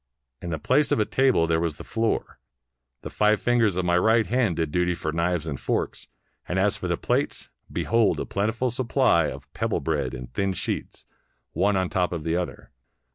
In the place of a table there was the floor; the five fin gers of my right hand did duty for knives and forks; and as for the plates, behold a plentiful supply of "pebble bread" in thin sheets, one on top of the other.